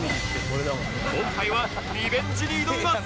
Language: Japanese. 今回はリベンジに挑みます！